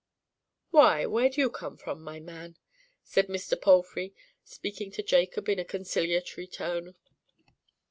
"Why, where do you come from, my man?" said Mr. Palfrey, speaking to Jacob in a conciliatory tone.